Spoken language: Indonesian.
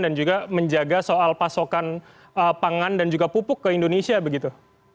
dan juga menjaga soal pasokan pangan dan juga pupuk ke indonesia begitu